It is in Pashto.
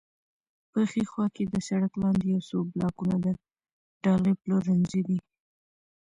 په ښي خوا کې د سړک لاندې یو څو بلاکونه د ډالۍ پلورنځی دی.